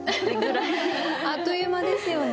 あっという間ですよね。